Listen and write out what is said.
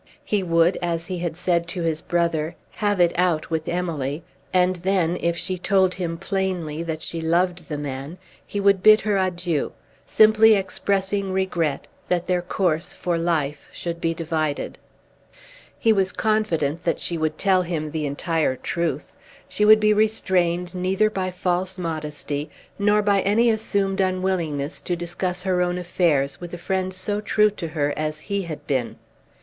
He would, as he had said to his brother, "have it out with Emily"; and then, if she told him plainly that she loved the man, he would bid her adieu, simply expressing regret that their course for life should be divided. He was confident that she would tell him the entire truth. She would be restrained neither by false modesty, nor by any assumed unwillingness to discuss her own affairs with a friend so true to her as he had been.